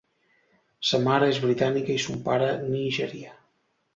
Sa mare és britànica i son pare nigerià.